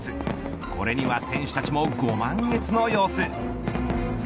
これには選手たちもご満悦の様子。